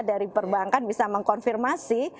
dari perbankan bisa mengkonfirmasi